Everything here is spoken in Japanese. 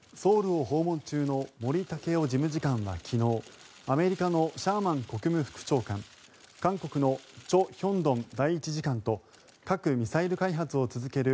ソウルを訪問中の森健良事務次官は昨日アメリカのシャーマン国務副長官韓国のチョ・ヒョンドン第１次官と核・ミサイル開発を続ける